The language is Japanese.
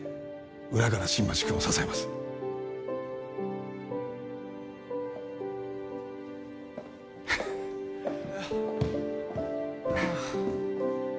裏から新町君を支えますうわっはあ